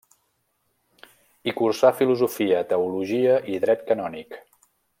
Hi cursà Filosofia, Teologia i Dret canònic.